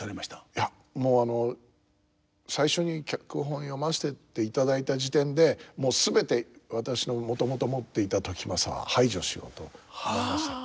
いやもう最初に脚本を読ませていただいた時点でもう全て私のもともと持っていた時政は排除しようと思いました。